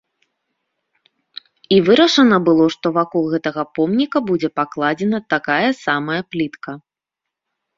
І вырашана было, што вакол гэтага помніка будзе пакладзена такая самая плітка.